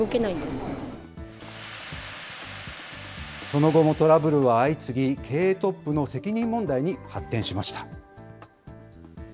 その後もトラブルは相次ぎ、経営トップの責任問題に発展しました。